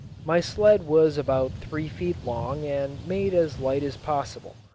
My sled was about three feet long and made as light as possible.